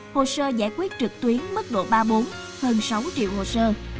hồ sơ giải quyết trực tuyến mức độ ba bốn hơn sáu triệu hồ sơ